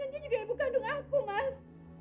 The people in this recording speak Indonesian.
dan dia juga ibu kandung aku mas